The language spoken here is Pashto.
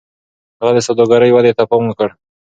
هغه د سوداګرۍ ودې ته پام وکړ.